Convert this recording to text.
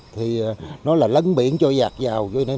thì nó là lấn biển cho giặc vào